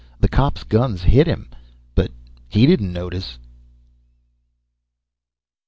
the cops' guns hit him ... but he didn't notice....